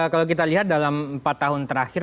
kalau kita lihat dalam empat tahun terakhir